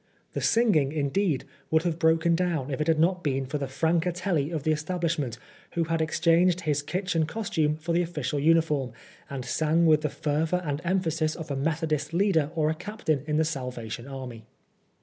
The singing, indeed, would have broken down if it had not been for the Francatelli of the establishment, who had exchanged his kitchen costume for the offical uniform, and sang with the fervor and emphasis of a Methodist leader or a captain in the Salvation Army.